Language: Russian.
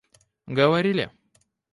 говорили